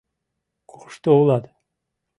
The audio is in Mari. — Кушто улат?